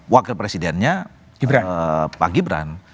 wakil presidennya pak gibran